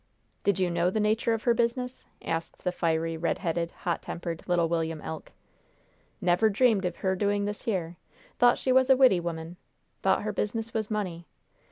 "Did you know the nature of her business?" asked the fiery, red headed, hot tempered, little William Elk. "Never dreamed of her doing this here. Thought she was a widdy woman. Thought her business was money.